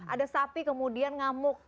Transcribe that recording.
ada sapi kemudian ngamuk